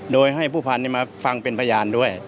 โดยให้ผู้พันธุ์มาฟังเป็นพยานด้วย